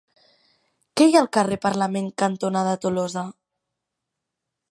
Què hi ha al carrer Parlament cantonada Tolosa?